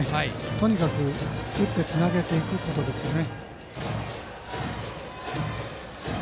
とにかく打ってつなげていくことですね。